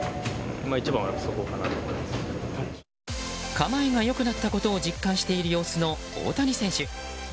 構えが良くなったことを実感している様子の大谷選手。